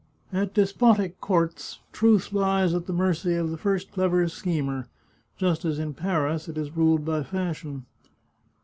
At despotic courts truth lies at the mercy of the first clever schemer, just as in Paris it is ruled by fashion.